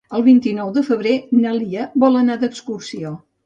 El vint-i-nou de febrer na Lia vol anar d'excursió.